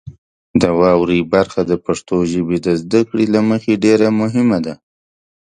د واورئ برخه د پښتو ژبې د زده کړې له مخې ډیره مهمه ده.